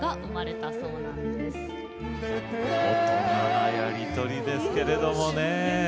大人なやり取りですけどもね。